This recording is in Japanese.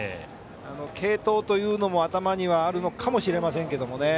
継投というのも頭にあるかもしれませんがね。